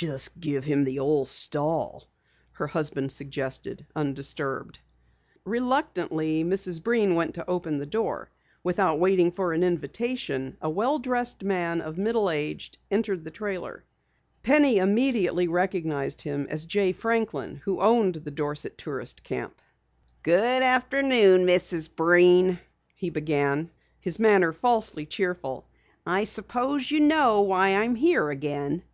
"Just give him the old stall," her husband suggested, undisturbed. Reluctantly, Mrs. Breen went to open the door. Without waiting for an invitation, a well dressed man of middle age entered the trailer. Penny immediately recognized him as Jay Franklin, who owned the Dorset Tourist Camp. "Good afternoon, Mrs. Breen," he began, his manner falsely cheerful. "I suppose you know why I am here again?"